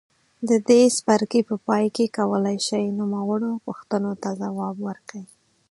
د دې څپرکي په پای کې کولای شئ نوموړو پوښتنو ته ځواب ورکړئ.